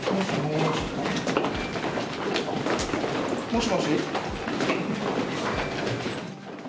もしもーし？